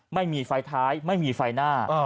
ไม่มีไฟท้ายไม่มีไฟหน้า